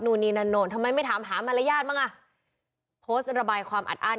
นู่นี่นั่นนโนทำไมไม่ถามหามมารยาทบ้างเพราะเกิดระบายความอัดอ่าน